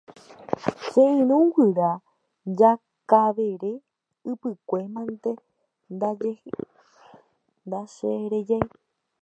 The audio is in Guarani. Che irũ guyra Jakavere Ypykue mante ndacherejái.